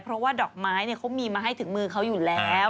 เพราะว่าดอกไม้เขามีมาให้ถึงมือเขาอยู่แล้ว